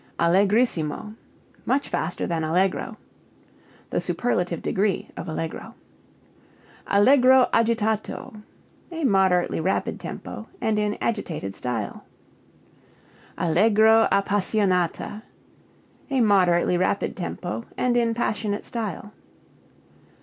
Allegrissimo much faster than allegro. (The superlative degree of allegro.) Allegro agitato a moderately rapid tempo, and in agitated style. Allegro appassionata a moderately rapid tempo, and in passionate style.